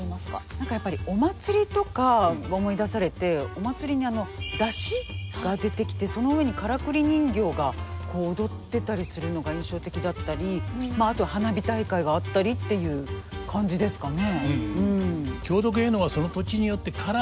何かやっぱりお祭りとか思い出されてお祭りに山車が出てきてその上にからくり人形が踊ってたりするのが印象的だったりあと花火大会があったりっていう感じですかね。